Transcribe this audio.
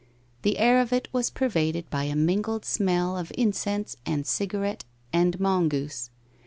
The air of it was pervaded by a mingled smell of incense and cigarette and mongoose.